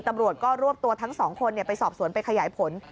ตำรวจก็รวบตัวทั้งสองคนไปสอบสวนไปขยายผล